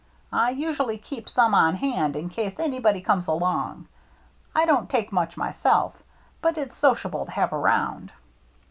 I usually keep some on hand in case anybody comes along. I don't take much myself, but it's sociable to have around."